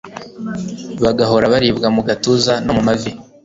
bagahora baribwa mugatuza no mumavi